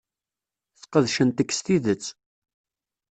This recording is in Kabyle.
Sqedcent-k s tidet.